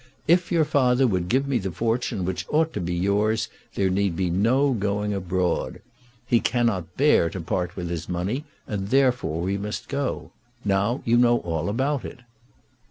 If your father would give me the fortune which ought to be yours there need be no going abroad. He cannot bear to part with his money, and therefore we must go. Now you know all about it."